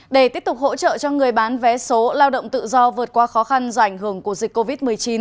để tiếp tục hỗ trợ cho người bán vé số lao động tự do vượt qua khó khăn do ảnh hưởng của dịch covid một mươi chín